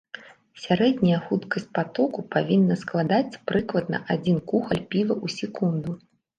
Сярэдняя хуткасць патоку павінна складаць прыкладна адзін кухаль піва ў секунду.